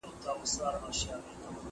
کېدای سي وخت کم وي.